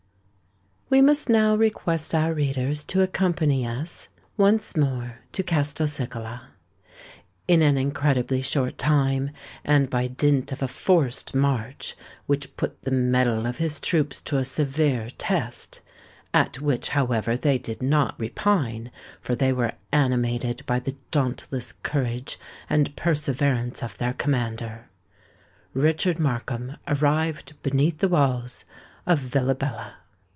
We must now request our readers to accompany us once more to Castelcicala. In an incredibly short time, and by dint of a forced march which put the mettle of his troops to a severe test,—at which, however, they did not repine, for they were animated by the dauntless courage and perseverance of their commander.—Richard Markham arrived beneath the walls of Villabella.